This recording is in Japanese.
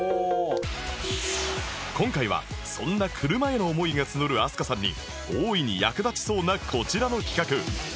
今回はそんな車への思いが募る飛鳥さんに大いに役立ちそうなこちらの企画